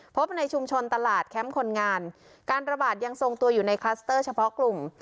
พบในชุมชนตลาดแคมป์คนงานการระบาดยังทรงตัวอยู่ในคลัสเตอร์เฉพาะกลุ่ม